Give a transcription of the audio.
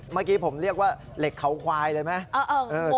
เมื่อกี้ผมเรียกว่าเหล็กเขาควายเลยไหม